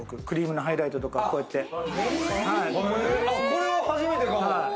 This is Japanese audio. クリームのハイライトとか、こうやって。